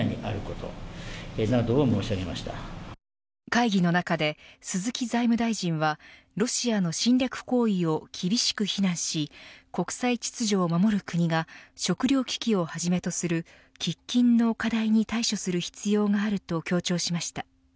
会議の中で、鈴木財務大臣はロシアの侵略行為を厳しく非難し国際秩序を守る国が食糧危機をはじめとする喫緊の課題に対処する必要があると強調しました。